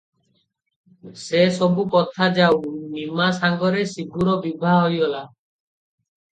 ସେ ସବୁ କଥା ଯାଉ, ନିମା ସଙ୍ଗରେ ଶିବୁର ବିଭା ହୋଇଗଲା ।